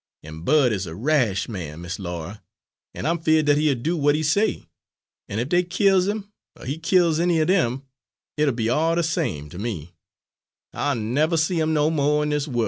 An' Bud is a rash man, Miss Laura, an' I'm feared dat he'll do w'at he say, an' ef dey kills him er he kills any er dem, it'll be all de same ter me I'll never see 'm no mo' in dis worl'.